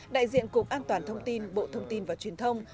đại diện cục an toàn thông tin bộ thông tin và truyền thông